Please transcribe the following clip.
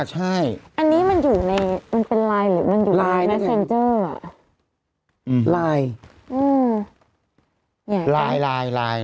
อ่าใช่อันนี้มันอยู่ในมันเป็นลายหรือมันอยู่ในลายอืมลายอืมลายลายลาย